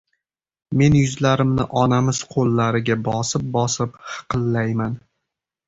Men yuzlarimni onamiz qo‘llariga bosib-bosib hiqillayman.